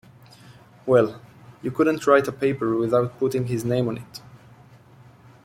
Well, you couldn't write a paper without putting his name on it.